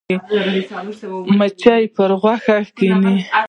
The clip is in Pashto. مچان پر غوښو کښېني